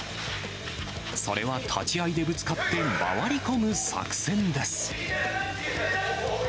それは立ち合いでぶつかって回り込む作戦です。